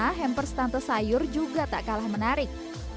karena hampers tante sayur juga tak kalah menarik